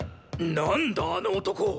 ⁉・何だあの男！